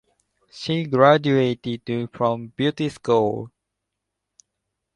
She graduated from beauty school.